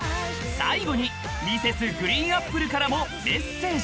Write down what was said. ［最後にＭｒｓ．ＧＲＥＥＮＡＰＰＬＥからもメッセージ］